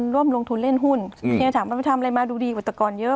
ร่วมลงทุนเล่นหุ้นเคยถามว่าทำอะไรมาดูดีอุตกรเยอะ